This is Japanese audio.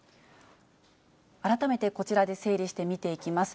改めてこちらで整理して見ていきます。